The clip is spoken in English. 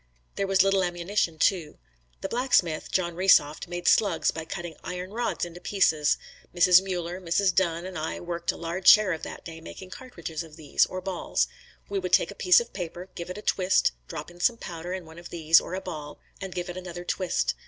There was little ammunition too. The blacksmith, John Resoft, made slugs by cutting iron rods into pieces. Mrs. Mueller, Mrs. Dunn and I worked a large share of that day making cartridges of these, or balls. We would take a piece of paper, give it a twist, drop in some powder and one of these, or a ball, and give it another twist.